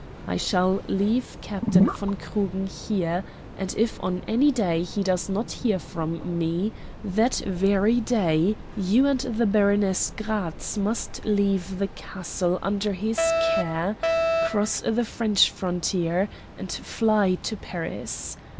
I shall leave Captain von Krugen here, and if on any day he does not hear from me, that very day you and the Baroness Gratz must leave the castle under his care, cross the French frontier, and fly to Paris.